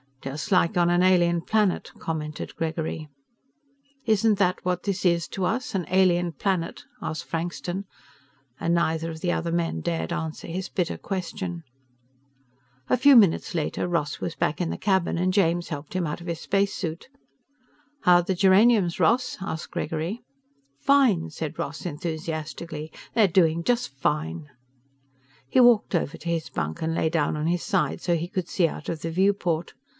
"Just like on an alien planet," commented Gregory. "Isn't that what this is to us an alien planet?" asked Frankston, and neither of the other men dared answer his bitter question. A few minutes later, Ross was back in the cabin, and James helped him out of his spacesuit. "How are the geraniums, Ross?" asked Gregory. "Fine," said Ross enthusiastically. "They're doing just fine." He walked over to his bunk and lay down on his side so he could see out of the viewport.